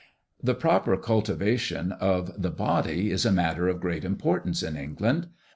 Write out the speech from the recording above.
The proper cultivation of the body is a matter of great importance in England.